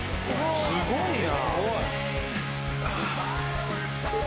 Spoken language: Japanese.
すごいな！